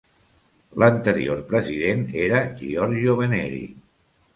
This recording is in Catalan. L"anterior president era Giorgio Veneri.